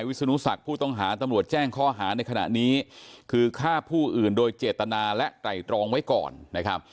ไม้วิสุนุศักดิ์เขาต้องหาตำรวจแจ้งข้อหา